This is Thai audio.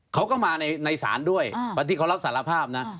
เขาก็มาในศาลด้วยวันที่เขารับสารภาพนะ